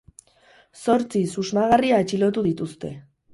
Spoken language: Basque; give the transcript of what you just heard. Zortzi susmagarri atxilotu dituzte.